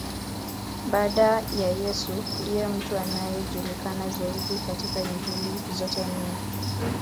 Baada ya Yesu, ndiye mtu anayejulikana zaidi katika Injili zote nne.